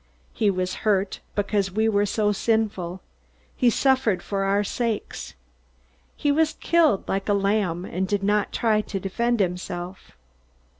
He was hurt, because we were so sinful. He suffered for our sakes. He was killed like a lamb, and he did not try to defend himself."